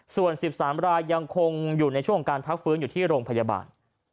ส่วน๑๓รายยังคงอยู่ในช่วงการพักฟื้นอยู่ที่โรงพยาบาล